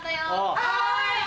はい！